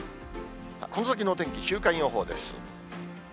この先のお天気、週間予報です。